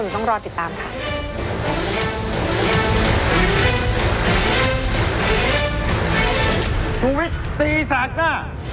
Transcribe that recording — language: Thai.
คุณผู้ชมต้องรอติดตามค่ะ